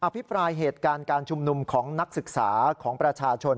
พิปรายเหตุการณ์การชุมนุมของนักศึกษาของประชาชน